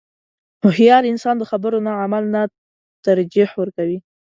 • هوښیار انسان د خبرو نه عمل ته ترجیح ورکوي.